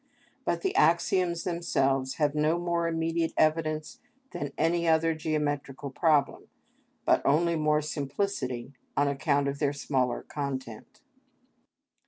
But the axioms themselves have no more immediate evidence than any other geometrical problem, but only more simplicity on account of their smaller content.